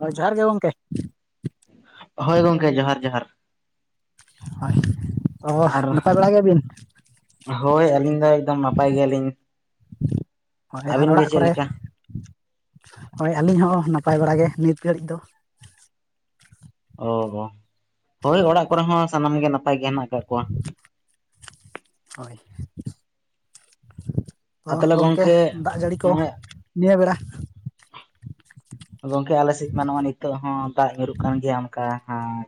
ᱦᱚᱭ ᱡᱚᱦᱟᱨ ᱜᱮ ᱜᱚᱢᱠᱮ᱾ ᱦᱳᱭ, ᱜᱚᱢᱠᱮ ᱡᱚᱦᱟᱨ ᱡᱚᱦᱟᱨ᱾ ᱦᱚᱭ᱾ ᱟᱨ ᱦᱳᱭ ᱟᱹᱞᱤᱧ ᱫᱚ ᱮᱠᱫᱚᱢ ᱱᱟᱯᱟᱭ ᱜᱮᱭᱟᱞᱤᱧ᱾ ᱦᱳᱭ ᱟᱨ ᱟᱹᱵᱤᱱ ᱜᱮ ᱚᱲᱟᱜ ᱪᱮᱫ ᱠᱚᱨᱮ? ᱞᱮᱠᱟ ᱦᱳᱭ, ᱟᱹᱞᱤᱧ ᱦᱚᱸ ᱱᱟᱯᱟᱭ ᱵᱟᱲᱟ ᱜᱮ ᱱᱤᱛ ᱜᱷᱟᱹᱲᱤᱡ ᱫᱚ᱾ ᱚ ᱦᱳᱭ ᱚᱲᱟᱜ ᱠᱚᱨᱮ ᱦᱚᱸ ᱥᱟᱱᱟᱢ ᱜᱮ ᱱᱟᱯᱟᱭ ᱜᱮ ᱦᱮᱱᱟᱜ ᱟᱠᱟᱫ ᱠᱚᱣᱟ᱾ ᱦᱳᱭ᱾ ᱚ ᱟᱨ ᱛᱟᱦᱚᱞᱮ ᱜᱚᱝᱠᱮ ᱫᱟᱜ ᱡᱟᱹᱲᱤ ᱠᱚ ᱱᱚᱜᱼᱚᱭ ᱱᱤᱭᱟᱹ ᱵᱮᱸᱲᱟ ᱜᱚᱝᱠᱮ ᱟᱞᱮ ᱥᱮᱫ ᱢᱟ ᱱᱚᱜ-ᱚᱭ ᱱᱤᱛᱚᱜ ᱦᱚᱸ ᱫᱟᱜ ᱧᱩᱨᱩᱜ ᱠᱟᱱ ᱜᱮᱭᱟ ᱚᱱᱠᱟ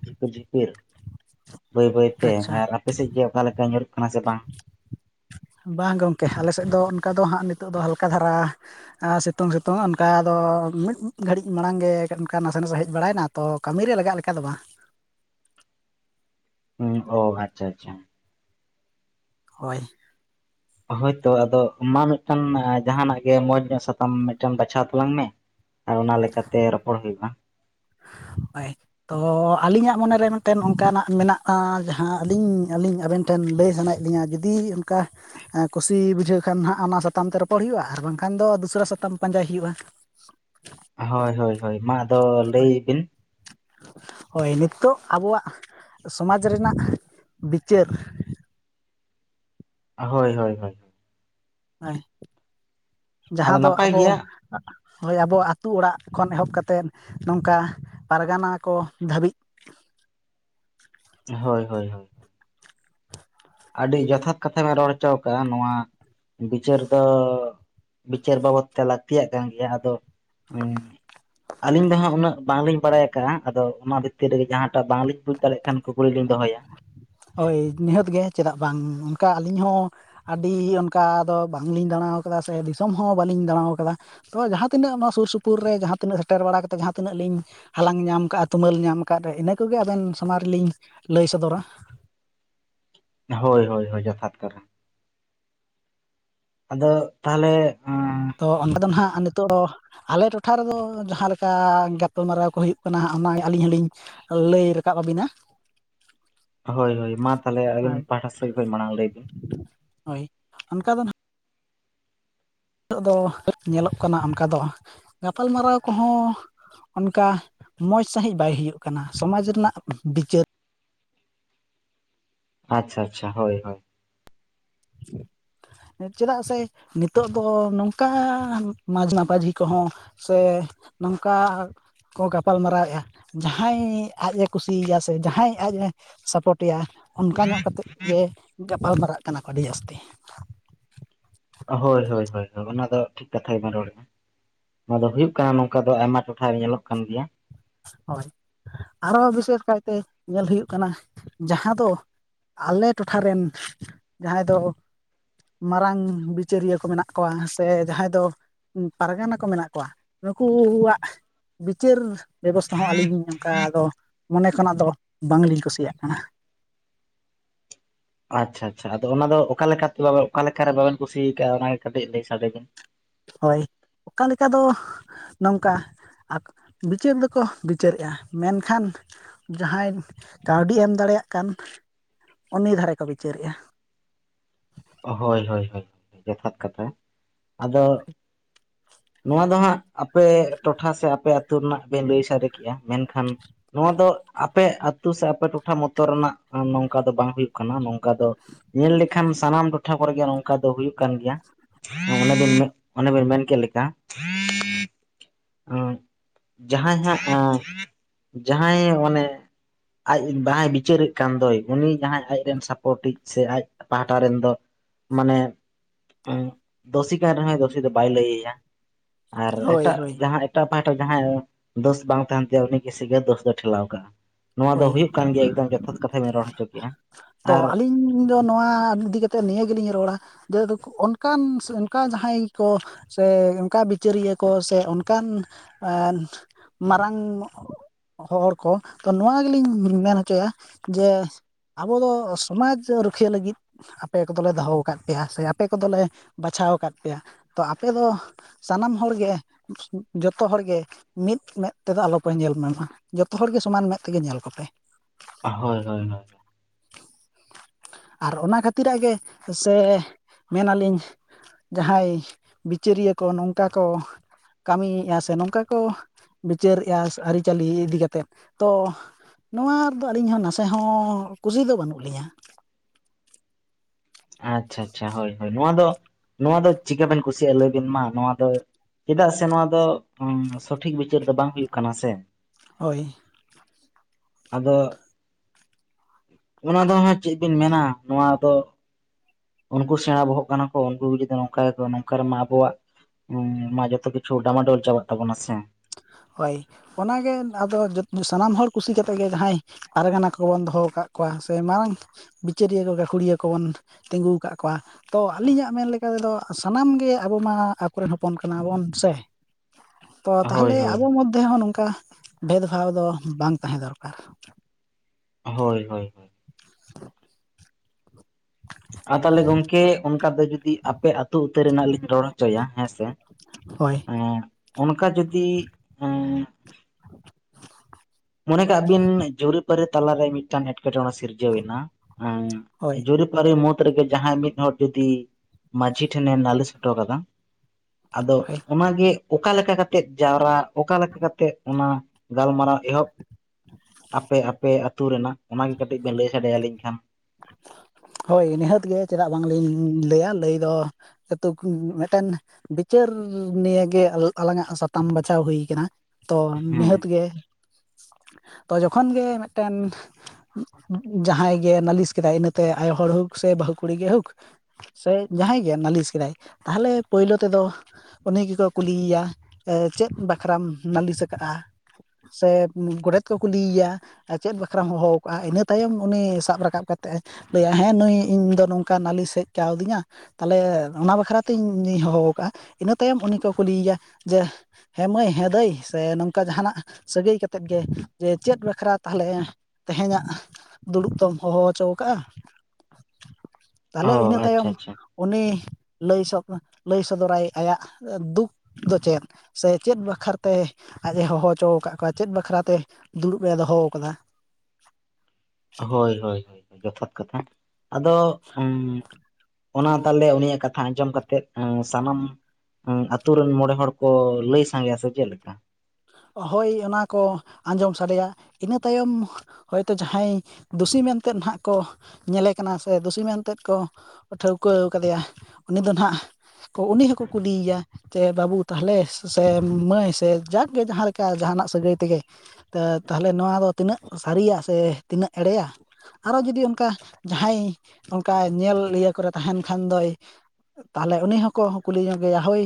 ᱡᱷᱤᱯᱤᱨ ᱡᱷᱤᱯᱤᱨ᱾ ᱵᱟᱹᱭ ᱵᱟᱹᱭ ᱛᱮ ᱟᱪᱪᱷᱟ ᱟᱨ ᱟᱯᱮ ᱥᱮᱫ ᱜᱮ ᱚᱠᱟ ᱞᱮᱠᱟ ᱧᱩᱨᱩᱜ ᱠᱟᱱᱟ ᱥᱮ ᱵᱟᱝ? ᱵᱟᱝ ᱜᱚᱝᱠᱮ, ᱟᱞᱮ ᱥᱮᱫ ᱫᱚ ᱚᱱᱠᱟ ᱫᱚ ᱦᱟᱸᱜ ᱱᱤᱛᱚᱜ ᱫᱚ ᱦᱟᱞᱠᱟ ᱫᱷᱟᱨᱟ ᱟᱨ ᱥᱮᱛᱳᱝ ᱥᱮᱛᱳᱝ ᱚᱱᱠᱟ ᱫᱚ ᱢᱤᱫ ᱜᱷᱟᱹᱲᱤᱡ ᱢᱟᱲᱟᱝ ᱜᱮ ᱚᱱᱠᱟ ᱱᱟᱥᱮ ᱱᱟᱥᱮ ᱦᱮᱡ ᱵᱟᱲᱟᱭ ᱱᱟ᱾ ᱛᱚ ᱠᱟᱹᱢᱤ ᱨᱮ ᱞᱟᱜᱟᱜ ᱞᱮᱠᱟ ᱫᱚ ᱵᱟᱝ᱾ ᱩᱸ ᱦᱚ ᱟᱪᱪᱷᱟ ᱟᱪᱪᱷᱟ, ᱦᱚᱭ ᱦᱚᱭ ᱛᱚ ᱟᱫᱚ ᱢᱟ ᱢᱮᱫᱴᱟᱝ ᱡᱟᱦᱟᱱᱟᱜ ᱜᱮ ᱢᱚᱸᱡᱽ ᱧᱚᱜ ᱥᱟᱛᱟᱢ ᱢᱮᱫᱴᱮᱱ ᱵᱟᱪᱷᱟᱣ ᱛᱟᱞᱟᱝ ᱢᱮ᱾ ᱟᱨ ᱚᱱᱟ ᱞᱮᱠᱟ ᱛᱮ ᱨᱚᱯᱚᱲ ᱦᱩᱭᱩᱜ-ᱟ᱾ ᱦᱚᱭ ᱛᱚ ᱟᱹᱞᱤᱧᱟᱜ ᱢᱚᱱᱮ ᱨᱮ ᱢᱮᱫᱴᱮᱱ ᱚᱱᱠᱟᱱᱟᱜ ᱢᱮᱱᱟᱜ-ᱟ ᱡᱟᱦᱟᱸ ᱟᱹᱞᱤᱧ ᱟᱹᱞᱤᱧ ᱟᱵᱮᱱ ᱴᱮᱱ ᱞᱟᱹᱭ ᱥᱟᱱᱟᱭ ᱮᱫ ᱞᱤᱧᱟᱹ ᱡᱩᱫᱤ ᱚᱱᱠᱟ ᱠᱩᱥᱤ ᱵᱩᱡᱷᱟᱹᱣ ᱠᱷᱟᱱ ᱦᱟᱸᱜ ᱚᱱᱟ ᱥᱟᱛᱟᱢ ᱛᱮ ᱨᱚᱯᱚᱲ ᱦᱩᱭᱩᱜ-ᱟ, ᱟᱨ ᱵᱟᱝᱠᱷᱟᱱ ᱫᱚ ᱫᱩᱥᱨᱟᱹ ᱥᱟᱛᱟᱢ ᱯᱟᱸᱡᱟᱭ ᱦᱩᱭᱩᱜ-ᱟ᱾ ᱦᱳᱭ ᱦᱳᱭ ᱦᱳᱭ ᱢᱟ ᱟᱫᱚ ᱞᱟᱹᱭ ᱵᱤᱱ᱾ ᱦᱳᱭ ᱱᱤᱛᱳᱜ ᱟᱵᱚᱣᱟᱜ ᱥᱚᱢᱟᱡᱽ ᱨᱮᱱᱟᱜ ᱵᱤᱪᱟᱹᱨ, ᱦᱳᱭ ᱦᱳᱭ ᱦᱳᱭ ᱦᱚᱭ ᱟᱫᱚ ᱡᱟᱦᱟᱸ ᱫᱚ ᱱᱟᱯᱟᱭ ᱟᱵᱚ ᱜᱮᱭᱟ ᱦᱳᱭ ᱟᱵᱚ ᱟᱹᱛᱩ ᱚᱲᱟᱜ ᱠᱷᱚᱱ ᱮᱦᱚᱵ ᱠᱟᱛᱮᱫ ᱱᱚᱝᱠᱟ ᱯᱟᱨᱜᱟᱱᱟ ᱠᱚ ᱫᱷᱟᱹᱵᱤᱡ᱾ ᱦᱳᱭ ᱦᱳᱭ ᱦᱳᱭ, ᱟᱹᱰᱤ ᱡᱚᱛᱷᱟᱛ ᱠᱟᱛᱷᱟᱢ ᱵᱮᱱ ᱨᱚᱲ ᱦᱚᱪᱚ ᱟᱠᱟ-ᱟ ᱱᱚᱣᱟ ᱵᱤᱪᱟᱹᱨ ᱫᱚ ᱵᱤᱪᱟᱹᱨ ᱵᱟᱵᱚᱫ ᱛᱮ ᱞᱟᱹᱠᱛᱤᱭᱟᱜ ᱠᱟᱱ ᱜᱮᱭᱟ ᱟᱫᱚ ᱟᱹᱞᱤᱧ ᱫᱚ ᱦᱟᱸᱜ ᱩᱱᱟᱹᱜ ᱵᱟᱝᱞᱤᱧ ᱵᱟᱲᱟᱭ ᱟᱠᱟᱜ-ᱟ᱾ ᱟᱫᱚ ᱚᱱᱟ ᱵᱷᱤᱛᱤᱨ ᱨᱮᱜᱮ ᱡᱟᱦᱟᱸ ᱴᱟᱜ ᱵᱟᱝᱞᱤᱧ ᱵᱩᱡᱽ ᱫᱟᱲᱮᱭᱟᱜ ᱠᱷᱟᱱ ᱠᱩᱠᱞᱤ ᱞᱤᱧ ᱫᱚᱦᱚᱭᱟ᱾ ᱦᱳᱭ ᱱᱤᱦᱟᱹᱛ ᱜᱮ ᱪᱮᱫᱟᱜ ᱵᱟᱝ, ᱚᱱᱠᱟ ᱟᱹᱞᱤᱧ ᱦᱚᱸ ᱟᱹᱰᱤ ᱚᱱᱠᱟ ᱫᱚ ᱵᱟᱝᱞᱤᱧ ᱫᱟᱬᱟ ᱠᱟᱫᱟ ᱥᱮ ᱫᱤᱥᱚᱢ ᱦᱚᱸ ᱵᱟᱹᱞᱤᱧ ᱫᱟᱬᱟᱣ ᱟᱠᱟᱫᱟ᱾ ᱛᱚ ᱡᱟᱦᱟᱸ ᱛᱤᱱᱟᱹᱜ ᱱᱚᱣᱟ ᱥᱩᱨ ᱥᱩᱯᱩᱨ ᱨᱮ ᱡᱟᱦᱟᱸ ᱛᱤᱱᱟᱹᱜ ᱥᱮᱴᱮᱨ ᱵᱟᱲᱟ ᱠᱟᱛᱮ ᱡᱟᱦᱟᱸ ᱛᱤᱱᱟᱹᱜ ᱞᱤᱧ ᱦᱟᱞᱟᱝ ᱧᱟᱢ ᱠᱟᱫ-ᱟ, ᱛᱩᱢᱟᱹᱞ ᱧᱟᱢ ᱟᱠᱟᱫ ᱨᱮ ᱤᱱᱟᱹ ᱠᱚᱜᱮ ᱟᱵᱮᱱ ᱥᱟᱢᱟᱝ ᱨᱮᱞᱤᱧ ᱞᱟᱹᱭ ᱥᱚᱫᱚᱨᱟ᱾ ᱦᱳᱭ ᱦᱳᱭ ᱦᱳᱭ ᱡᱚᱛᱷᱟᱛ ᱠᱟᱱᱟ᱾ ᱟᱫᱚ ᱛᱟᱦᱚᱞᱮ ᱮᱸ ᱛᱚ ᱚᱱᱠᱟ ᱫᱚ ᱱᱟᱦᱟᱜ ᱱᱤᱛᱚᱜ ᱫᱚ ᱟᱞᱮ ᱴᱚᱴᱷᱟ ᱨᱮᱫᱚ ᱡᱟᱦᱟᱸ ᱞᱮᱠᱟ ᱜᱟᱯᱟᱞ ᱢᱟᱨᱟᱣ ᱠᱚ ᱦᱩᱭᱩᱜ ᱠᱟᱱᱟ ᱦᱟᱸᱜ ᱚᱱᱟ ᱟᱹᱞᱤᱧ ᱦᱚᱸ ᱞᱤᱧ ᱞᱟᱹᱭ ᱨᱟᱠᱟᱵ ᱟᱹᱵᱤᱱᱟ᱾ ᱦᱳᱭ ᱦᱳᱭ ᱢᱟ ᱛᱟᱦᱚᱞᱮ ᱟᱹᱵᱤᱱ ᱦᱳᱭ ᱯᱟᱦᱴᱟ ᱥᱮᱫ ᱠᱷᱚᱱ ᱢᱟᱲᱟᱝ ᱞᱟᱹᱭ ᱵᱤᱱ᱾ ᱦᱳᱭ ᱚᱱᱠᱟ ᱫᱚ ᱦᱟᱸᱜ ᱱᱤᱛᱚᱜ ᱫᱚ ᱧᱮᱞᱚᱜ ᱠᱟᱱᱟ ᱚᱱᱠᱟ ᱫᱚ ᱦᱟᱸᱜ ᱜᱟᱯᱟᱞ ᱢᱟᱨᱟᱣ ᱠᱚᱦᱚᱸ ᱚᱱᱠᱟ ᱢᱚᱸᱡᱽ ᱥᱟᱹᱦᱤᱡᱽ ᱵᱟᱭ ᱦᱩᱭᱩᱜ ᱠᱟᱱᱟ᱾ ᱥᱚᱢᱟᱡᱽ ᱨᱮᱱᱟᱜ ᱵᱤᱪᱟᱹᱨ ᱟᱪ-ᱪᱷᱟ ᱟᱪ-ᱪᱷᱟ ᱦᱳᱭ ᱦᱳᱭ, ᱪᱮᱫᱟᱜ ᱥᱮ ᱱᱤᱛᱚᱜ ᱫᱚ ᱱᱚᱝᱠᱟ ᱢᱟᱡᱽ ᱢᱟᱯᱟᱡᱤ ᱠᱚᱦᱚᱸ ᱥᱮ ᱱᱚᱝᱠᱟ ᱠᱚ ᱜᱟᱯᱟᱞ ᱢᱟᱨᱟᱣ ᱮᱜ-ᱟ᱾ ᱡᱟᱦᱟᱸᱭ ᱟᱡ ᱮ ᱠᱩᱥᱤᱭᱟᱜ ᱥᱮ ᱡᱟᱦᱟᱸᱭ ᱟᱡ ᱮ ᱥᱟᱯᱚᱴᱮᱭᱟ, ᱚᱱᱠᱟ ᱧᱚᱜ ᱠᱟᱛᱮᱜ ᱜᱮ ᱜᱟᱯᱟᱞ ᱢᱟᱨᱟᱜ ᱠᱟᱱᱟ ᱠᱚ ᱟᱹᱰᱤ ᱡᱟᱹᱥᱛᱤ᱾ ᱦᱳᱭ ᱦᱳᱭ ᱦᱳᱭ ᱚᱱᱟ ᱫᱚ ᱴᱷᱤᱠ ᱠᱟᱛᱷᱟ ᱜᱮᱵᱮᱱ ᱨᱚᱲ ᱮᱫᱟ᱾ ᱱᱚᱣᱟ ᱫᱚ ᱦᱩᱭᱩᱜ ᱠᱟᱱᱟ, ᱱᱚᱝᱠᱟ ᱫᱚ ᱟᱭᱢᱟ ᱴᱚᱴᱷᱟ ᱨᱮ ᱧᱮᱞᱚᱜ ᱠᱟᱱ ᱜᱮᱭᱟ᱾ ᱦᱳᱭ ᱟᱨᱚ ᱵᱤᱥᱮᱥ ᱠᱟᱭᱛᱮ ᱧᱮᱞ ᱦᱩᱭᱩᱜ ᱠᱟᱱᱟ ᱡᱟᱦᱟᱸ ᱫᱚ ᱟᱞᱮ ᱴᱚᱴᱷᱟ ᱨᱮᱱ ᱡᱟᱦᱟᱸᱭ ᱫᱚ ᱢᱟᱨᱟᱝ ᱵᱤᱪᱟᱹᱨᱤᱭᱟᱹ ᱠᱚ ᱢᱮᱱᱟᱜ ᱠᱚᱣᱟ ᱥᱮ ᱡᱟᱦᱟᱸᱭ ᱫᱚ ᱩᱸ ᱯᱟᱨᱜᱟᱱᱟ ᱠᱚ ᱢᱮᱱᱟᱜ ᱠᱚᱣᱟ ᱱᱩᱠᱩᱣᱟᱜ ᱵᱤᱪᱟᱹᱨ ᱵᱮᱵᱚᱥᱛᱷᱟ ᱦᱚᱸ ᱟᱹᱞᱤᱧ ᱱᱚᱝᱠᱟ ᱟᱫᱚ ᱢᱚᱱᱮ ᱠᱷᱚᱱᱟᱜ ᱫᱚ ᱵᱟᱝᱞᱤᱧ ᱠᱩᱥᱤᱭᱟᱜ ᱠᱟᱱᱟ᱾ ᱟᱪ-ᱪᱷᱟ ᱟᱪ-ᱪᱷᱟ ᱟᱫᱚ ᱚᱱᱟ ᱫᱚ ᱚᱠᱟ ᱞᱮᱠᱟᱛᱮ ᱚᱠᱟ ᱞᱮᱠᱟᱨᱮ ᱵᱟᱵᱮᱱ ᱠᱩᱥᱤ ᱟᱠᱟᱜ-ᱟ, ᱚᱱᱟ ᱜᱮ ᱠᱟᱹᱴᱤᱡ ᱞᱟᱹᱭ ᱥᱟᱰᱮ ᱵᱤᱱ? ᱦᱳᱭ ᱚᱠᱟ ᱞᱮᱠᱟ ᱫᱚ᱾ ᱱᱚᱝᱠᱟ ᱵᱤᱪᱟᱹᱨ ᱫᱚᱠᱚ ᱵᱤᱪᱟᱹᱨᱮᱜ-ᱟ ᱢᱮᱱᱠᱷᱟᱱ᱾ ᱡᱟᱦᱟᱸᱭ ᱠᱟᱣᱰᱤᱭ ᱮᱢ ᱫᱟᱲᱮᱭᱟᱜ ᱠᱟᱱ ᱩᱱᱤ ᱫᱷᱟᱨᱮ ᱠᱚ ᱵᱤᱪᱟᱹᱨᱮᱜ-ᱟ᱾ ᱦᱳᱭ ᱦᱳᱭ ᱦᱳᱭ ᱡᱚᱛᱷᱟᱛ ᱠᱟᱛᱷᱟ ᱟᱫᱚ᱾ ᱱᱚᱣᱟ ᱫᱚ ᱦᱟᱸᱜ ᱟᱯᱮ ᱴᱚᱴᱷᱟ ᱥᱮ ᱟᱯᱮ ᱟᱛᱩ ᱨᱮᱱᱟᱜ ᱵᱮᱱ ᱞᱟᱹᱭ ᱥᱟᱰᱮ ᱠᱮᱜ-ᱟ ᱢᱮᱱᱠᱷᱟᱱ᱾ ᱱᱚᱣᱟ ᱫᱚ ᱟᱯᱮ ᱟᱛᱳ ᱥᱮ ᱟᱯᱮ ᱴᱚᱴᱷᱟ ᱢᱚᱛᱚ ᱨᱮᱱᱟᱜ ᱱᱚᱝᱠᱟ ᱫᱚ ᱵᱟᱝ ᱦᱩᱭᱩᱜ ᱠᱟᱱᱟ ᱱᱚᱝᱠᱟ ᱫᱚ᱾ ᱧᱮᱞ ᱞᱮᱠᱷᱟᱱ ᱥᱟᱱᱟᱢ ᱴᱚᱴᱷᱟ ᱠᱚᱨᱮᱜᱮ ᱱᱚᱝᱠᱟ ᱫᱚ ᱦᱩᱭᱩᱜ ᱠᱟᱱ ᱜᱮᱭᱟ᱾ ᱚᱱᱮ ᱵᱤᱱ ᱢᱮ ᱚᱱᱮ ᱵᱤᱱ ᱢᱮᱱ ᱠᱮᱜ ᱞᱮᱠᱟ᱾ ᱡᱟᱦᱟᱸᱭ ᱦᱟᱸᱜ ᱡᱟᱦᱟᱸᱭ ᱚᱱᱮ᱾ ᱟᱡ ᱵᱟᱭ ᱵᱤᱪᱟᱹᱨᱮᱜ ᱠᱟᱱ ᱫᱚᱭ ᱩᱱᱤ ᱡᱟᱦᱟᱸᱭ ᱟᱡᱨᱮᱱ ᱥᱟᱯᱚᱴᱤᱡ ᱥᱮ ᱟᱡ ᱯᱟ ᱴᱟ ᱨᱮᱱ ᱫᱚ ᱢᱟᱱᱮ ᱫᱳᱥᱤ ᱠᱟᱱ ᱨᱮᱦᱚᱸᱭ ᱫᱩᱥᱤ ᱫᱚ ᱵᱟᱭ ᱞᱟᱹᱭ ᱟᱭᱟ᱾ ᱟᱨ ᱦᱳᱭ ᱮᱴᱟᱜ ᱦᱳᱭ ᱡᱟᱦᱟᱸ ᱮ ᱴᱟ ᱯᱟᱦᱴᱟ ᱡᱟᱦᱟᱸᱭ ᱫᱳᱥ ᱵᱟᱝ ᱛᱟᱦᱮᱱ ᱛᱟᱭᱟ ᱩᱱᱤ ᱠᱤᱥᱤ ᱜᱮ ᱫᱳᱥ ᱫᱚᱭ ᱴᱷᱮᱞᱟᱣ ᱠᱟᱜ-ᱟ᱾ ᱱᱚᱣᱟ ᱫᱚ ᱦᱳᱭ ᱦᱩᱭᱩᱜ ᱠᱟᱱ ᱜᱮᱭᱟ ᱮᱠᱫᱚᱢ ᱡᱚᱛᱷᱟᱛ ᱠᱟᱛᱷᱟ ᱵᱮᱱ ᱨᱚᱲ ᱦᱚᱪᱚ ᱠᱮᱜ-ᱟ ᱟᱨ᱾ ᱤᱧ ᱫᱚ ᱱᱚᱣᱟ ᱤᱫᱤ ᱠᱟᱛᱮᱜ ᱱᱤᱭᱟᱹ ᱜᱮᱞᱤᱧ ᱨᱚᱲᱟ ᱡᱮ ᱚᱱᱠᱟᱱ ᱥᱮ ᱚᱱᱠᱟ ᱡᱟᱦᱟᱸᱭ ᱠᱚ᱾ ᱥᱮ ᱚᱱᱠᱟ ᱵᱤᱪᱟᱹᱨᱤᱭᱟᱹ ᱠᱚ ᱥᱮ ᱚᱱᱠᱟᱱ ᱢᱟᱨᱟᱝ᱾ ᱦᱚᱲ ᱠᱚ ᱛᱚ ᱱᱚᱣᱟ ᱜᱮᱞᱤᱧ ᱢᱮᱱ ᱦᱚᱪᱚᱭᱟ ᱡᱮ᱾ ᱟᱵᱚ ᱫᱚ ᱥᱚᱢᱟᱡᱽ ᱨᱩᱠᱷᱭᱤᱭᱟᱹ ᱞᱟᱹᱜᱤᱫ᱾ ᱟᱯᱮ ᱠᱚᱫᱚᱞᱮ ᱫᱚᱦᱚ ᱠᱟᱫ ᱯᱮᱭᱟ ᱥᱮ ᱟᱯᱮ ᱠᱚᱫᱚᱞᱮ ᱵᱟᱪᱷᱟᱣ ᱠᱟᱫ ᱯᱮᱭᱟ ᱛᱚ ᱟᱯᱮ ᱫᱚ᱾ ᱥᱟᱱᱟᱢ ᱦᱚᱲᱜᱮ ᱡᱚᱛᱚ ᱦᱚᱲᱜᱮ᱾ ᱢᱤᱫ ᱢᱮᱫ ᱛᱮᱫᱚ ᱟᱞᱚᱯᱮ ᱧᱮᱞ ᱢᱮᱢᱟ ᱡᱚᱛᱚ ᱦᱚᱲᱜᱮ ᱥᱚᱢᱟᱱ ᱢᱮᱫ ᱛᱮᱜᱮ ᱧᱮᱞ ᱠᱚᱯᱮ᱾ ᱦᱳᱭ ᱦᱳᱭ ᱦᱳᱭ᱾ ᱟᱨ ᱚᱱᱟ ᱠᱷᱟᱹᱛᱤᱨᱟᱜ ᱜᱮ ᱥᱮ ᱢᱮᱱᱟᱞᱤᱧ᱾ ᱡᱟᱦᱟᱸᱭ ᱵᱤᱪᱟᱹᱨᱤᱭᱟᱹ ᱠᱚ ᱱᱚᱝᱠᱟ ᱠᱚ᱾ ᱠᱟᱢᱤᱭᱮᱜ-ᱟ ᱥᱮ ᱱᱚᱝᱠᱟ ᱠᱚ ᱵᱤᱪᱟᱹᱨᱮᱜ-ᱟ ᱟᱨᱤ ᱪᱟᱞᱤ ᱤᱫᱤ ᱠᱟᱛᱮᱫ ᱛᱚ᱾ ᱱᱚᱣᱟ ᱨᱮᱫᱚ ᱟᱞᱤᱧ ᱦᱚᱸ ᱱᱟᱥᱮ ᱦᱚᱸ ᱠᱩᱥᱤ ᱫᱚ ᱵᱟᱱᱩᱜ ᱞᱤᱧᱟ᱾ ᱟᱪᱪᱷᱟ ᱟᱪᱪᱷᱟ ᱦᱳᱭ ᱦᱳᱭ ᱱᱚᱣᱟ ᱫᱚ ᱱᱚᱣᱟ ᱫᱚ ᱪᱤᱠᱟᱹ ᱵᱮᱱ ᱠᱩᱥᱤᱜ-ᱟ ᱞᱟᱹᱭ ᱵᱤᱱ ᱢᱟ ᱱᱚᱣᱟ ᱫᱚ᱾ ᱪᱮᱫᱟᱜ ᱥᱮ ᱱᱚᱣᱟ ᱫᱚ ᱥᱚᱴᱷᱤᱠ ᱵᱤᱪᱟᱹᱨ ᱫᱚ ᱵᱟᱝ ᱦᱩᱭᱩᱜ ᱠᱟᱱᱟ ᱥᱮ᱾ ᱦᱳᱭ᱾ ᱟᱫᱚ᱾ ᱚᱱᱟ ᱫᱚ ᱦᱟᱸᱜ ᱪᱮᱫ ᱵᱤᱱ ᱢᱮᱱᱟ ᱱᱚᱣᱟ ᱫᱚ᱾ ᱩᱱᱠᱩ ᱥᱮᱸᱬᱟ ᱵᱚᱦᱚᱜ ᱠᱟᱱᱟ ᱠᱚ ᱩᱱᱠᱩ ᱡᱩᱫᱤ ᱱᱚᱝᱠᱟ ᱜᱮᱠᱚ ᱱᱚᱝᱠᱟ ᱨᱮᱢᱟ ᱟᱵᱚᱣᱟᱜ᱾ ᱢᱟ ᱡᱚᱛᱚ ᱠᱤᱪᱷᱩ ᱰᱟᱢᱟ ᱰᱳᱞ ᱪᱟᱵᱟᱜ ᱛᱟᱵᱚᱱᱟ ᱥᱮ᱾ ᱦᱳᱭ ᱚᱱᱟᱜᱮ ᱟᱫᱚ ᱥᱟᱱᱟᱢ ᱦᱚᱲ ᱠᱩᱥᱤ ᱠᱟᱛᱮ ᱜᱮ ᱡᱟᱦᱟᱸᱭ᱾ ᱯᱟᱨᱜᱟᱱᱟ ᱠᱚᱵᱚᱱ ᱫᱚᱦᱚᱣ ᱠᱟᱜ ᱠᱚᱣᱟ ᱥᱮ ᱢᱟᱨᱟᱝ ᱵᱤᱪᱟᱹᱨᱤᱭᱟᱹ ᱠᱚ ᱜᱟᱹᱠᱷᱩᱲᱤᱭᱟᱹ ᱠᱚᱵᱚᱱ᱾ ᱛᱤᱸᱜᱩ ᱠᱟᱜ ᱠᱚᱣᱟ᱾ ᱛᱚ ᱟᱞᱤᱧᱟᱜ ᱢᱮᱱ ᱞᱮᱠᱟ ᱛᱮᱫᱚ ᱥᱟᱱᱟᱢ ᱜᱮ ᱟᱵᱚ ᱢᱟ ᱟᱠᱚᱨᱮᱱ ᱦᱚᱯᱚᱱ ᱠᱟᱱᱟᱵᱚᱱ ᱥᱮ᱾ ᱦᱳᱭ ᱛᱟᱦᱞᱮ ᱦᱳᱭ ᱟᱵᱚ ᱢᱚᱫᱽᱫᱷᱮ ᱦᱚᱸ ᱱᱚᱝᱠᱟ ᱵᱷᱮᱫᱽ ᱵᱷᱟᱣ ᱫᱚ ᱵᱟᱝ ᱛᱟᱦᱮᱸ ᱫᱚᱨᱠᱟᱨ᱾ ᱦᱳᱭ ᱦᱳᱭ ᱦᱳᱭ᱾ [inaudible] ᱟᱨ ᱛᱟᱦᱞᱮ ᱜᱚᱝᱠᱮ ᱚᱱᱠᱟ ᱫᱚ ᱡᱩᱫᱤ ᱟᱯᱮ ᱟᱛᱩ ᱩᱛᱟᱹᱨ ᱨᱮᱱᱟᱜ ᱞᱤᱧ ᱨᱚᱲ ᱦᱚᱪᱚᱭᱟ ᱦᱮᱸ ᱥᱮ᱾ ᱦᱳᱭ ᱮᱸ ᱚᱱᱠᱟ ᱡᱩᱫᱤ ᱮᱸ᱾ ᱢᱚᱱᱮ ᱠᱟᱜ ᱵᱤᱱ ᱡᱩᱨᱤᱯᱟᱨᱤ ᱛᱟᱞᱟᱨᱮ ᱢᱤᱜᱴᱟᱱ ᱮᱸᱴᱠᱮᱴᱚᱸᱬᱮ ᱥᱤᱨᱡᱟᱹᱣ ᱮᱱᱟ ᱦᱳᱭ ᱮᱸ ᱡᱩᱨᱤ᱾ ᱯᱟᱨᱤ ᱢᱩᱫᱽ ᱨᱮᱜᱮ ᱡᱟᱦᱟᱸᱭ ᱢᱤᱫ ᱦᱚᱲ ᱡᱩᱫᱤ ᱢᱟᱡᱷᱤ ᱴᱷᱮᱱᱮ ᱱᱟᱞᱤᱥ ᱦᱚᱴᱚ ᱠᱟᱫᱟ᱾ ᱟᱫᱚ ᱦᱳᱭ ᱚᱱᱟᱜᱮ ᱚᱠᱟ ᱞᱮᱠᱟ ᱠᱟᱛᱮᱫ ᱡᱟᱣᱨᱟ ᱚᱠᱟ ᱞᱮᱠᱟ ᱠᱟᱛᱮᱜ ᱚᱱᱟ᱾ ᱜᱟᱞᱢᱟᱨᱟᱣ ᱮᱦᱚᱵ ᱟᱯᱮ ᱟᱯᱮ ᱟᱹᱛᱩ ᱨᱮᱱᱟᱜ ᱚᱱᱟᱜᱮ ᱠᱟᱹᱴᱤᱡ ᱵᱮᱱ ᱞᱟᱹᱭ ᱥᱟᱰᱮ ᱟᱹᱞᱤᱧ ᱠᱷᱟᱱ᱾ ᱦᱳᱭ ᱱᱤᱦᱟᱹᱛ ᱜᱮ ᱪᱮᱫᱟᱜ ᱵᱟᱝᱞᱤᱧ ᱞᱟᱹᱭᱟ ᱞᱟᱹᱭ ᱫᱚ ᱟᱛᱩᱠ ᱢᱤᱫᱴᱮᱱ ᱵᱤᱪᱟᱹᱨ ᱱᱤᱭᱮ ᱟᱞᱟᱝᱟᱜ ᱥᱟᱛᱟᱢ ᱵᱟᱪᱷᱟᱣ ᱦᱩᱭ ᱠᱟᱱᱟ᱾ ᱛᱚ ᱦᱮᱸ ᱱᱤᱦᱟᱹᱛ ᱜᱮ ᱛᱚ ᱡᱚᱠᱷᱚᱱ ᱜᱮ ᱢᱤᱫᱴᱮᱱ ᱡᱟᱦᱟᱸᱭ ᱜᱮ ᱱᱟᱞᱤᱥ ᱠᱮᱫᱟᱭ ᱤᱱᱟᱹᱛᱮ ᱟᱭᱳ ᱦᱚᱲ ᱦᱳᱠ ᱥᱮ ᱵᱟᱹᱦᱩ ᱠᱩᱲᱤ ᱜᱮ ᱦᱳᱠ ᱥᱮ ᱡᱟᱦᱟᱸᱭ ᱜᱮ ᱱᱟᱹᱞᱤ ᱠᱮᱫᱟᱭ ᱛᱟᱦᱚᱞᱮ ᱯᱳᱭᱞᱳ ᱛᱮᱫᱚ ᱩᱱᱤ ᱜᱮᱠᱚ ᱠᱩᱞᱤᱭᱮᱭᱟ ᱪᱮᱫ ᱵᱟᱠᱷᱨᱟᱢ ᱱᱟᱞᱤᱥ ᱠᱟᱜᱼᱟ? ᱥᱮ ᱜᱚᱰᱮᱛ ᱠᱚ ᱠᱩᱞᱤᱭᱮᱭᱟ ᱟᱸ ᱪᱮᱫ ᱵᱟᱠᱷᱨᱟ ᱦᱚᱦᱚ ᱠᱟᱜᱼᱟ ᱤᱱᱟᱹ ᱛᱟᱭᱚᱢ ᱩᱱᱤ ᱥᱟᱵ ᱨᱟᱠᱟᱵ ᱠᱟ ᱛᱮ ᱞᱟᱹᱭᱟᱭ ᱦᱮᱸ ᱱᱩᱭ ᱤᱧᱫᱚ ᱱᱚᱝᱠᱟ ᱱᱟᱹᱞᱤ ᱦᱮᱡ ᱠᱟᱣᱫᱤᱧᱟ᱾ ᱛᱟᱦᱚᱞᱮ ᱚᱱᱟ ᱵᱟᱠᱷᱨᱟ ᱛᱤᱧ ᱦᱚᱦᱚ ᱠᱟᱜᱼᱟ ᱤᱱᱟᱹ ᱛᱟᱭᱚᱢ ᱩᱱᱤ ᱠᱚ ᱠᱩᱞᱤᱭᱮᱭᱟ ᱡᱮ ᱦᱮ ᱢᱟᱹᱭ ᱦᱮᱫᱟᱹᱭ ᱥᱮ ᱱᱚᱝᱠᱟ ᱡᱟᱦᱟᱱᱟᱜ ᱥᱟᱹᱜᱟᱹᱭ ᱠᱟᱛᱮᱫ ᱜᱮ ᱡᱮ ᱪᱮᱫ ᱵᱟᱠᱷᱨᱟ ᱛᱟᱦᱚᱞᱮ ᱛᱮᱦᱮᱧᱟᱜ ᱫᱩᱲᱩᱵ ᱛᱚᱢ ᱦᱚᱦᱚ ᱦᱚᱪᱚ ᱠᱟᱜ-ᱟ ᱚ ᱛᱟᱦᱚᱞᱮ ᱤᱱᱟᱹ ᱟᱪᱪᱷᱟ ᱛᱟᱭᱚᱢ ᱟᱪᱪᱷᱟ ᱩᱱᱤ ᱞᱟᱹᱭ ᱥᱚᱜ ᱞᱟᱹᱭ ᱥᱚᱫᱚᱨᱟᱭ ᱟᱭᱟᱜ ᱫᱩᱠ ᱫᱚ ᱪᱮᱫ᱾ ᱥᱮ ᱪᱮᱫ ᱵᱟᱠᱷᱨᱟᱛᱮ ᱟᱡᱼ ᱮ ᱦᱚᱦᱚ ᱦᱚᱪᱚ ᱟᱠᱟᱫ ᱠᱚᱣᱟᱭ ᱪᱮᱫ ᱵᱟᱠᱷᱨᱟᱛᱮ ᱫᱩᱲᱩᱵ ᱮ ᱫᱚᱦᱚ ᱠᱟᱫᱟ? ᱦᱳᱭ ᱦᱳᱭ ᱦᱳᱭ ᱡᱚᱛᱷᱟᱛ ᱠᱟᱛᱷᱟ ᱟᱫᱚ ᱚᱱᱟ ᱛᱟᱦᱚᱞᱮ ᱩᱱᱤᱭᱟᱜ ᱠᱟᱛᱷᱟ ᱟᱸᱡᱚᱢ ᱠᱟᱛᱮᱜ ᱮᱸ ᱥᱟᱱᱟᱢ ᱦᱩᱸ ᱟᱛᱩ ᱨᱮᱱ ᱢᱚᱸᱬᱮ ᱦᱚᱲ ᱠᱚ ᱞᱟᱹᱭ ᱥᱟᱸᱜᱮᱭᱟ ᱥᱮ ᱪᱮᱫ ᱞᱮᱠᱟ? ᱦᱳᱭ ᱚᱱᱟ ᱠᱚ ᱟᱸᱡᱚᱢ ᱥᱟᱰᱮᱭᱟ ᱤᱱᱟᱹ ᱛᱟᱭᱚᱢ ᱦᱚᱭᱛᱚ ᱡᱟᱦᱟᱸᱭ ᱫᱩᱥᱤ ᱢᱮᱱᱛᱮ ᱱᱟᱦᱟᱜ ᱠᱚ ᱧᱮᱞᱮ ᱠᱟᱱᱟ ᱥᱮ ᱫᱩᱥᱤ ᱢᱮᱱᱛᱮ ᱠᱚ ᱴᱷᱟᱹᱣᱠᱟᱹ ᱠᱟᱫᱮᱭᱟ, ᱩᱱᱤ ᱫᱚ ᱱᱟᱜ ᱠᱚ ᱩᱱᱤ ᱦᱚᱸᱠᱚ ᱠᱩᱞᱤᱭᱮᱭᱟ ᱡᱮ ᱵᱟᱹᱵᱩ ᱛᱟᱦᱚᱞᱮ ᱥᱮ ᱢᱟᱹᱭ ᱥᱮ ᱡᱟᱠ ᱜᱮ ᱡᱟᱦᱟᱸ ᱞᱮᱠᱟ ᱡᱟᱦᱟᱱᱟᱜ ᱥᱟᱹᱜᱟᱹᱭ ᱛᱮᱜᱮ᱾ ᱛᱚ ᱛᱟᱦᱚᱞᱮ ᱱᱚᱣᱟ ᱫᱚ ᱛᱤᱱᱟᱹᱜ ᱥᱟᱹᱨᱤᱭᱟ ᱥᱮ ᱛᱤᱱᱟᱹᱜ ᱮᱲᱮᱭᱟ? ᱟᱨᱦᱚ ᱡᱩᱫᱤ ᱚᱱᱠᱟ ᱡᱟᱦᱟᱸᱭ ᱚᱱᱠᱟ ᱧᱮᱞ ᱤᱭᱟᱹ ᱠᱚᱨᱮ ᱛᱟᱦᱮᱱ ᱠᱷᱟᱱ ᱫᱚᱭ ᱛᱟᱦᱚᱞᱮ ᱩᱱᱤ ᱦᱚᱸᱠᱚ ᱠᱩᱞᱤᱧᱚᱜ ᱜᱮᱭᱟ ᱦᱳᱭ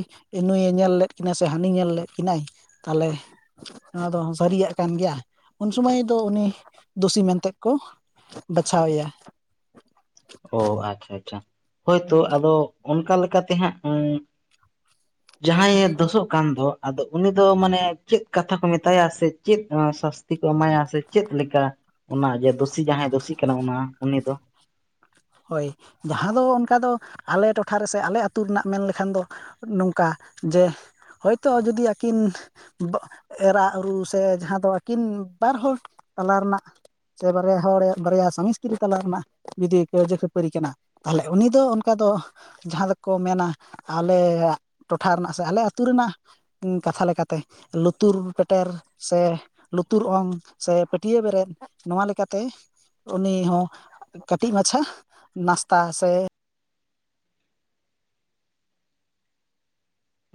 ᱱᱩᱭᱮ ᱧᱮᱞ ᱞᱮᱫ ᱠᱤᱱᱟᱹ ᱥᱮ ᱦᱟᱹᱱᱤ ᱧᱮᱞ ᱞᱮᱫ ᱠᱤᱱᱟᱹᱭ᱾ ᱛᱟᱦᱚᱞᱮ ᱚᱱᱟ ᱫᱚ ᱥᱟᱹᱨᱤᱭᱟᱜ ᱠᱟᱱ ᱜᱮᱭᱟ ᱩᱱ ᱥᱚᱢᱚᱭ ᱫᱚ ᱩᱱᱤ ᱫᱩᱥᱤ ᱢᱮᱱᱛᱮᱜ ᱠᱚ ᱵᱟᱪᱷᱟᱣ ᱮᱭᱟ᱾ ᱚ ᱟᱪᱪᱷᱟ ᱟᱪᱪᱷᱟ, ᱦᱳᱭᱛᱳ ᱟᱫᱚ ᱚᱱᱠᱟ ᱞᱮᱠᱟᱛᱮ ᱦᱟᱸᱜ ᱩᱸ [inaudible] ᱡᱟᱦᱟᱸᱭᱮ ᱫᱳᱥᱳᱜ ᱠᱟᱱ ᱫᱚ ᱟᱫᱚ ᱩᱱᱤ ᱫᱚ ᱢᱟᱱᱮ ᱪᱮᱫ ᱠᱟᱛᱷᱟ ᱠᱚ ᱢᱮᱛᱟᱭᱟ ᱥᱮ ᱪᱮᱫ ᱟᱸ ᱥᱟᱥᱛᱤ? ᱛᱤ ᱠᱚ ᱮᱢᱟᱭᱟ ᱥᱮ ᱪᱮᱫ ᱞᱮᱠᱟ ᱚᱱᱟ ᱡᱮ ᱫᱩᱥᱤ ᱡᱟᱦᱟᱸᱭ ᱫᱩᱥᱤ ᱠᱟᱱᱟ ᱚᱱᱟ ᱩᱱᱤ ᱫᱚ ᱦᱳᱭ ᱡᱟᱦᱟᱸ ᱫᱚ ᱚᱱᱠᱟ ᱫᱚ ᱟᱞᱮ ᱴᱚᱴᱷᱟ ᱨᱮᱥᱮ ᱟᱞᱮ ᱟᱹᱛᱩ ᱨᱮᱱᱟᱜ ᱢᱮᱱ ᱞᱮᱠᱷᱟᱱ ᱫᱚ ᱱᱚᱝᱠᱟ ᱡᱮ ᱦᱳᱭᱛᱳ ᱡᱩᱫᱤ ᱟᱹᱠᱤᱱ ᱵᱟᱜ ᱮᱨᱟ ᱩᱨᱩ ᱥᱮ ᱡᱟᱦᱟᱸ ᱫᱚ ᱟᱹᱠᱤᱱ ᱵᱟᱨ ᱦᱚᱲ ᱛᱟᱞᱟ ᱨᱮᱱᱟᱜ ᱥᱮ ᱵᱟᱨᱭᱟ ᱦᱚᱲᱨᱮᱭᱟᱜ ᱵᱟᱨᱭᱟ ᱥᱟᱢᱤᱥᱛᱨᱤ ᱛᱟᱞᱟ ᱨᱮᱱᱟᱜ ᱡᱩᱫᱤ ᱠᱟᱹᱭᱡᱟᱹ ᱠᱷᱟᱹᱯᱟᱹᱨᱤ ᱠᱟᱱᱟ᱾ ᱛᱟᱦᱚᱞᱮ ᱩᱱᱤ ᱫᱚ ᱚᱱᱠᱟ ᱫᱚ ᱡᱟᱦᱟᱸ ᱫᱚᱠᱚ ᱢᱮᱱᱟ ᱟᱞᱮᱭᱟᱜ ᱴᱚᱴᱷᱟ ᱨᱮᱱᱟᱜ ᱥᱮ ᱟᱞᱮ ᱟᱹᱛᱩ ᱨᱮᱱᱟᱜ ᱩᱸ ᱠᱟᱛᱷᱟ ᱞᱮᱠᱟᱛᱮ ᱞᱩᱛᱩᱨ ᱯᱮᱴᱮᱨ ᱥᱮ ᱞᱩᱛᱩᱨ ᱚᱝ ᱥᱮ ᱯᱟᱹᱴᱤᱭᱟᱹ ᱵᱮᱨᱮᱫ ᱱᱚᱣᱟ ᱞᱮᱠᱟᱛᱮ ᱩᱱᱤ ᱦᱚᱸ ᱠᱟᱹᱴᱤᱡ ᱢᱟᱪᱷᱟ ᱱᱟᱥᱛᱟ ᱥᱮ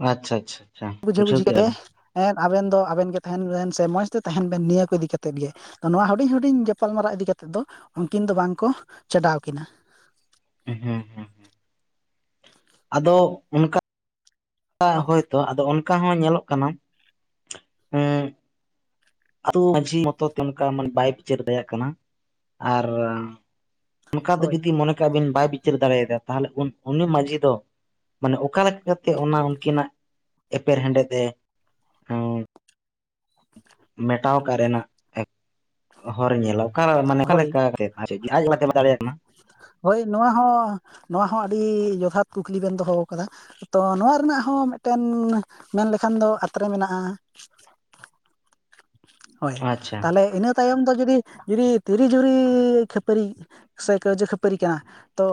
ᱟᱪᱪᱷᱟ ᱟᱪᱪᱷᱟ᱾ ᱟᱪᱪᱷᱟ ᱵᱩᱡᱷᱟᱹ ᱵᱩᱡᱷᱟᱹᱣ ᱵᱩᱡᱷᱷᱤ ᱠᱮᱜᱼᱟ ᱠᱮᱫᱮ ᱞᱤᱧ ᱮᱸᱜ ᱟᱵᱮᱱ ᱫᱚ ᱟᱵᱮᱱ ᱜᱮ ᱛᱟᱦᱮᱱ ᱵᱮᱱ ᱥᱮ ᱢᱚᱡᱽ ᱛᱮ ᱛᱟᱦᱮᱱ ᱵᱮᱱ ᱱᱤᱭᱟᱹ ᱠᱚ ᱤᱫᱤ ᱠᱟᱛᱮᱫ ᱜᱮ᱾ ᱱᱚᱣᱟ ᱦᱩᱰᱤᱧ ᱦᱩᱰᱤᱧ ᱜᱟᱯᱟᱞᱢᱟᱨᱟ ᱤᱫᱤ ᱠᱟᱛᱮᱜ ᱫᱚ ᱩᱱᱠᱤᱱ ᱫᱚ ᱵᱟᱝᱠᱚ ᱪᱟᱰᱟᱣ ᱠᱤᱱᱟ᱾ ᱦᱮᱸ ᱦᱮᱸ ᱟᱫᱚ ᱚᱱᱠᱟ ᱠᱟᱣᱟᱜ ᱦᱳᱭᱛᱳ ᱟᱫᱚ ᱚᱱᱠᱟ ᱦᱚᱸ ᱧᱮᱞᱚᱜ ᱠᱟᱱᱟ ᱩᱸ ᱟᱛᱩ ᱢᱟᱡᱷᱤ ᱢᱚᱛᱚ ᱛᱮ ᱚᱱᱠᱟ ᱢᱟᱱᱮ ᱵᱟᱭ ᱵᱤᱪᱟᱹᱨ ᱫᱟᱲᱮᱭᱟᱜ ᱠᱟᱱᱟ ᱟᱨ ᱚᱱᱠᱟ ᱫᱚ ᱦᱳᱭ ᱡᱩᱫᱤ ᱢᱚᱱᱮ ᱠᱟᱜ ᱵᱤᱱ ᱵᱟᱭ ᱵᱤᱪᱟᱹᱨ ᱫᱟᱲᱮᱭᱟᱫᱟ ᱛᱟᱦᱚᱞᱮ ᱩᱱ-ᱩᱱᱤ ᱢᱟᱺᱡᱷᱤ ᱫᱚ ᱢᱟᱱᱮ ᱚᱠᱟ ᱞᱮᱠᱟ ᱠᱟᱛᱮ ᱚᱱᱟ ᱩᱱᱠᱤᱱᱟᱜ ᱮᱯᱮᱨ ᱦᱮᱸᱰᱮᱡ ᱮ ᱦᱮᱸ ᱢᱮᱴᱟᱣ ᱠᱟᱜ ᱨᱮᱱᱟᱜ ᱦᱚᱨᱮ ᱧᱮᱞᱟ᱾ ᱚᱠᱟ ᱢᱟᱱᱮ ᱚᱠᱟ ᱦᱳᱭ ᱞᱮᱠᱟᱛᱮᱫ? ᱟᱪᱷᱮ ᱟᱡ [inaudible] ᱫᱟᱲᱮᱭᱟᱜ ᱠᱟᱱᱟ ᱾ ᱦᱳᱭ ᱱᱚᱣᱟ ᱦᱚᱸ ᱱᱚᱣᱟ ᱦᱚᱸ ᱟᱹᱰᱤ ᱡᱚᱛᱷᱟᱛ ᱠᱩᱠᱞᱤ ᱵᱮᱱ ᱫᱚᱦᱚ ᱟᱠᱟᱫᱟ᱾ ᱛᱚ ᱱᱚᱣᱟ ᱨᱮᱱᱟᱜ ᱦᱚᱸ ᱢᱤᱫᱴᱮᱱ ᱢᱮᱱ ᱞᱮᱠᱷᱟᱱ ᱫᱚ ᱟᱛᱨᱮ ᱢᱮᱱᱟᱜᱼᱟ᱾ ᱦᱳᱭ, ᱟᱪᱪᱷᱟ ᱛᱟᱦᱚᱞᱮ ᱤᱱᱟᱹ ᱛᱟᱭᱚᱢ ᱫᱚ ᱡᱩᱫᱤ ᱡᱩᱨᱤ ᱛᱤᱨᱤ ᱡᱩᱨᱤ ᱠᱷᱟᱹᱯᱟᱹᱨᱤ ᱥᱮ ᱠᱟᱹᱭᱡᱟᱹ ᱠᱷᱟᱹᱯᱟᱹᱨᱤ ᱠᱟᱱᱟ᱾ ᱛᱚ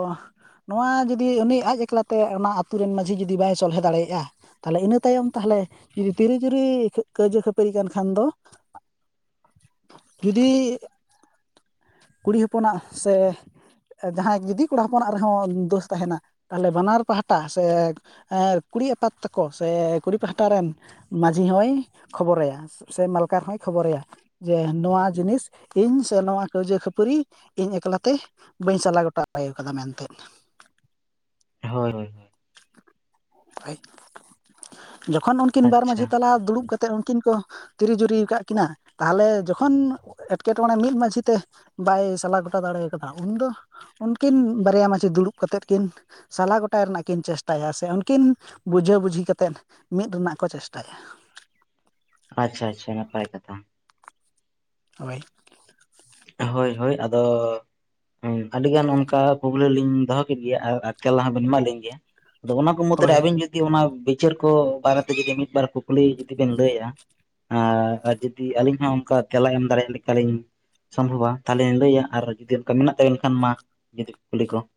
ᱱᱚᱣᱟ ᱡᱩᱫᱤ ᱩᱱᱤ ᱟᱡ ᱮᱠᱞᱟᱛᱮ ᱚᱱᱟ ᱟᱹᱛᱩ ᱨᱮᱱ ᱢᱟᱺᱡᱷᱤ ᱡᱩᱫᱤ ᱵᱟᱭ ᱥᱚᱞᱦᱮ ᱫᱟᱲᱮᱭᱟᱜᱼᱟ᱾ ᱛᱟᱦᱚᱞᱮ ᱤᱱᱟᱹ ᱛᱟᱭᱚᱢ ᱛᱟᱦᱚᱞᱮ ᱡᱩᱫᱤ ᱛᱤᱨᱤ ᱡᱩᱨᱤ ᱠᱟᱹᱭᱡᱟᱹ ᱠᱷᱟᱹᱯᱟᱹᱨᱤ ᱠᱟᱱ ᱠᱷᱟᱱ ᱫᱚ ᱡᱩᱫᱤ ᱠᱩᱲᱤ ᱦᱚᱯᱚᱱᱟᱜ ᱥᱮ ᱡᱟᱦᱟᱸᱭ ᱡᱩᱫᱤ ᱠᱚᱲᱟ ᱦᱚᱯᱚᱱᱟᱜ ᱨᱮᱦᱚᱸ ᱫᱳᱥ ᱛᱟᱦᱮᱱᱟ ᱛᱟᱦᱚᱞᱮ ᱵᱟᱱᱟᱨ ᱯᱟᱦᱴᱟ ᱥᱮ ᱮᱸ ᱠᱩᱲᱤ ᱟᱯᱟᱛ ᱛᱟᱠᱚ ᱥᱮ ᱠᱩᱲᱤ ᱯᱟᱦᱴᱟ ᱨᱮᱱ ᱢᱟᱡᱷᱤ ᱦᱚᱭ ᱠᱷᱚᱵᱚᱨ ᱟᱭᱟ ᱥᱮ ᱢᱟᱞᱠᱟ ᱦᱚᱸᱭ ᱠᱷᱚᱵᱚᱨᱟᱭᱟ᱾ ᱡᱮ ᱱᱚᱣᱟ ᱡᱤᱱᱤᱥ ᱤᱧ ᱥᱮ ᱱᱚᱣᱟ ᱠᱟᱹᱭᱡᱟᱹ ᱠᱷᱟᱹᱯᱟᱹᱨᱤ ᱤᱧ ᱮᱠᱞᱟᱛᱮ ᱵᱟᱹᱧ ᱥᱟᱞᱟ ᱜᱚᱴᱟ [inaudible] ᱠᱟᱫᱟ ᱢᱮᱱᱛᱮᱫ᱾ ᱦᱳᱭ ᱾ ᱡᱚᱠᱷᱚᱱ ᱩᱱᱠᱤᱱ ᱵᱟᱨ ᱟᱪᱪᱷᱟ ᱢᱟᱺᱡᱷᱤ ᱛᱟᱞᱟ ᱫᱩᱲᱩᱵ ᱠᱟᱛᱮᱫ ᱩᱱᱠᱤᱱ ᱠᱚ ᱛᱤᱨᱤ ᱡᱩᱨᱤ ᱟᱠᱟᱫ ᱠᱤᱱᱟᱹ ᱛᱟᱦᱚᱞᱮ ᱡᱚᱠᱷᱚᱱ ᱮᱴᱠᱮᱴᱚᱬᱮ ᱢᱤᱫ ᱢᱟᱺᱡᱷᱤ ᱛᱮ ᱵᱟᱭ ᱥᱟᱞᱟ ᱜᱚᱴᱟ ᱫᱟᱲᱮ ᱠᱟᱫᱟ ᱩᱱᱫᱚ ᱩᱱᱠᱤᱱ ᱵᱟᱨᱭᱟ ᱢᱟᱺᱡᱷᱤ ᱫᱩᱲᱩᱵ ᱠᱟᱛᱮᱫ ᱠᱤᱱ ᱥᱟᱞᱟ ᱜᱚᱴᱟᱭ ᱨᱮᱱᱟᱜ ᱠᱤᱱ ᱪᱮᱥᱴᱟᱭᱟ ᱥᱮ ᱩᱱ ᱠᱤᱱ ᱵᱩᱡᱷᱟᱹ ᱵᱩᱡᱷᱤ ᱠᱟᱛᱮᱫ ᱢᱤᱫ ᱨᱮᱱᱟᱜ ᱠᱚ ᱪᱮᱥᱴᱟᱭᱟ ᱾ ᱟᱪᱪᱷᱟ ᱟᱪᱪᱷᱟ ᱱᱟᱯᱟᱭ ᱠᱟᱛᱷᱟ ᱾ ᱦᱳᱭ ᱾ ᱦᱳᱭ ᱦᱳᱭ ᱟᱫᱚ ᱦᱮᱸ ᱟᱹᱰᱤ ᱜᱟᱱ ᱚᱱᱠᱟ ᱯᱩᱜᱞᱤ ᱞᱤᱧ ᱫᱚᱦᱚ ᱠᱮᱫ ᱜᱮᱭᱟ ᱟᱨ ᱛᱮᱞᱟᱦᱵᱤᱱ ᱮᱢᱟ ᱞᱤᱧ ᱜᱮᱭᱟ ᱾ ᱟᱫᱚ ᱚᱱᱟ ᱠᱚ ᱢᱩᱚᱫᱽᱫᱨᱮ ᱦᱳᱭ ᱟᱹᱵᱤᱱ ᱡᱩᱫᱤ ᱚᱱᱟ ᱵᱤᱪᱟᱹᱨ ᱠᱚ ᱵᱟᱨᱮᱛᱮ ᱡᱩᱫᱤ ᱢᱤᱫ ᱵᱟᱨ ᱠᱩᱠᱞᱤ ᱡᱩᱫᱤ ᱵᱮᱱ ᱞᱟᱹᱭᱟ ᱾ ᱟᱸᱨ ᱟᱨ ᱡᱩᱫᱤ ᱟᱹᱞᱤᱧ ᱦᱚᱸ ᱚᱱᱠᱟ ᱛᱮᱞᱟ ᱮᱢ ᱫᱟᱲᱮᱭᱟᱜ ᱞᱮᱠᱟᱞᱤᱧ ᱥᱚᱢᱵᱷᱚᱵ ᱟ ᱛᱟᱦᱚᱞᱮᱧ ᱞᱟᱹᱭᱟ ᱟᱨ ᱡᱩᱫᱤ ᱚᱱᱠᱟ ᱢᱮᱱᱟᱜ ᱛᱟᱵ ᱮᱱ ᱠᱷᱟᱱ ᱢᱟ ᱡᱩᱫᱤ ᱠᱩᱞᱤ ᱠᱚ ᱾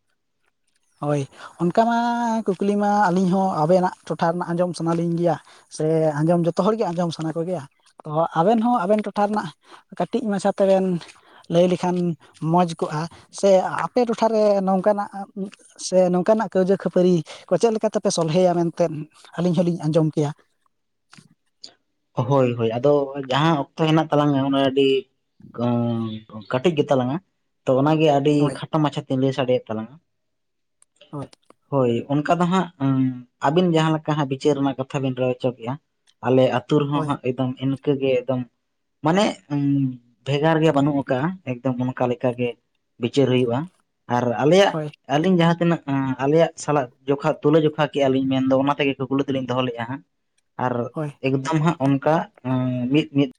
ᱦᱳᱭ ᱚᱱᱠᱟ ᱢᱟ ᱠᱩᱠᱞᱤ ᱢᱟ ᱟᱹᱞᱤᱧ ᱦᱚᱸ ᱟᱵᱮᱱᱟᱜ ᱴᱚᱴᱷᱟ ᱨᱮᱱᱟᱜ ᱟᱸᱡᱚᱢ ᱥᱟᱱᱟᱞᱤᱧ ᱜᱮᱭᱟ ᱾ ᱥᱮ ᱟᱸᱡᱚᱢ ᱡᱚᱛᱚ ᱦᱚᱲᱜᱮ ᱟᱸᱡᱚᱢ ᱥᱟᱱᱟ ᱠᱚᱜᱮᱭᱟ, ᱛᱚ ᱟᱵᱮᱱ ᱦᱚᱸ ᱟᱵᱮᱱ ᱴᱚᱴᱷᱟ ᱨᱮᱱᱟᱜ ᱠᱟᱹᱴᱤᱡ ᱢᱟᱪᱷᱟᱛᱮ ᱵᱮᱱ ᱞᱟᱹᱭ ᱞᱮᱠᱷᱟᱱ ᱢᱚᱡᱽ ᱠᱚᱜᱼᱟ ᱥᱮ ᱟᱯᱮ ᱴᱚᱴᱷᱟᱨᱮ ᱱᱚᱝᱠᱟᱱᱟᱜ ᱥᱮ ᱱᱚᱝᱠᱟᱱᱟᱜ ᱠᱟᱹᱭᱣᱡᱟᱹ ᱠᱷᱟᱹᱯᱟᱹᱨᱤ ᱠᱚ ᱪᱮᱫ ᱛᱮᱯᱮ ᱥᱚᱞᱦᱮᱭᱟ ᱢᱮᱱᱛᱮᱫ ᱟᱹᱞᱤᱧ ᱦᱚᱞᱤᱧ ᱟᱸᱡᱚᱢ ᱠᱮᱭᱟ? ᱦᱳᱭ ᱦᱳᱭ ᱟᱫᱚ ᱡᱟᱦᱟᱸ ᱚᱠᱛᱚ ᱦᱮᱱᱟᱜ ᱛᱟᱞᱟᱝᱟ ᱚᱱᱟ ᱟᱹᱰᱤ ᱠᱟᱹ ᱠᱟᱹᱴᱤᱡ ᱜᱮᱛᱟᱞᱟᱝᱟ ᱛᱚ ᱚᱱᱟᱜᱮ ᱟᱹᱰᱤ ᱦᱳᱭ ᱠᱷᱟᱴᱚ ᱢᱟᱪᱷᱟ ᱛᱤᱧ ᱞᱟᱹᱭ ᱥᱟᱰᱮᱫ ᱛᱟᱞᱟᱝᱟ ᱾ ᱦᱳᱭ ᱾ ᱦᱳᱭ ᱚᱱᱠᱟ ᱫᱚ ᱦᱟᱸᱜ ᱟᱹᱵᱤᱱ ᱡᱟᱦᱟᱸ ᱞᱮᱠᱟ ᱦᱟᱸᱜ ᱵᱤᱪᱟᱹᱨ ᱨᱮᱱᱟᱜ ᱠᱟᱛᱷᱟ ᱵᱤᱱ ᱨᱟᱹᱭ ᱦᱚᱪᱚ ᱠᱮᱫᱮᱜᱼᱟ ᱾ ᱟᱞᱮ ᱟᱹᱛᱩ ᱨᱮᱦᱚᱸ ᱦᱳᱭ ᱦᱟᱸᱜ ᱮᱠᱫᱚᱢ ᱤᱱᱠᱟᱹ ᱜᱮ ᱮᱠᱫᱚᱢ ᱢᱟᱱᱮ ᱵᱷᱮᱜᱟᱨ ᱜᱮ ᱵᱟᱹᱱᱩᱜ ᱟᱠᱟᱫᱟ ᱮᱠᱫᱚᱢ ᱚᱱᱠᱟ ᱞᱮᱠᱟᱜᱮ ᱾ ᱵᱤᱪᱟᱹᱨ ᱦᱩᱭᱩᱜᱼᱟ ᱟᱨ ᱟᱞᱮᱭᱟᱜ ᱦᱳᱭ ᱟᱹᱞᱤᱧ ᱡᱟᱦᱟᱸ ᱛᱤᱱᱟᱜ ᱟᱸ ᱟᱞᱮᱭᱟᱜ ᱥᱟᱞᱟᱜ ᱡᱚᱠᱷᱟ ᱛᱩᱞᱟᱹ ᱡᱚᱠᱷᱟ ᱠᱮᱜᱼᱟ ᱞᱤᱧ ᱢᱮᱱᱫᱚ ᱚᱱᱟ ᱛᱮᱜᱮ ᱠᱩᱠᱞᱤ ᱫᱚᱞᱤᱧ ᱫᱚᱦᱚ ᱞᱮᱜᱼᱟ ᱦᱟᱸᱜ᱾ ᱟᱨ ᱦᱳᱭ ᱮᱠᱫᱚᱢ ᱦᱟᱸᱜ ᱚᱱᱠᱟ ᱟᱸ ᱢᱤᱫ ᱢᱤᱫ